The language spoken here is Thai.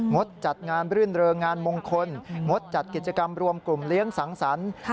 ดจัดงานรื่นเริงงานมงคลงดจัดกิจกรรมรวมกลุ่มเลี้ยงสังสรรค์